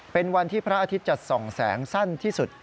เป็นวันที่พระอาทิตย์จะส่องแสงสั้นที่สุด